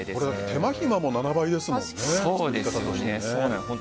手間暇も７倍ですもんね。